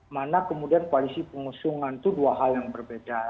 mana kemudian koalisi pengusungan itu dua hal yang berbeda